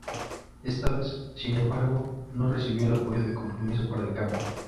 Esta vez, sin embargo, no recibió el apoyo de Compromiso para el Cambio.